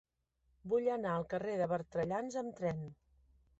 Vull anar al carrer de Bertrellans amb tren.